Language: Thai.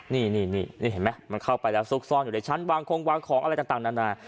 นี่เห็นไหมมันเข้าไปแล้วซุกซ่อนอยู่ในชั้นวางคงวางของอะไรต่างนานา